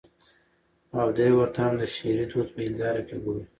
او دى ورته هم د شعري دود په هېنداره کې ګوري.